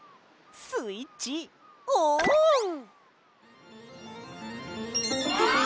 スイッチオン！